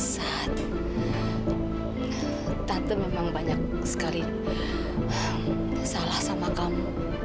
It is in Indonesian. saat tante memang banyak sekali salah sama kamu